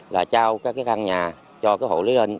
là trao các căn nhà cho hộ lý hình